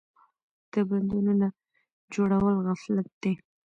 د بندونو نه جوړول غفلت دی.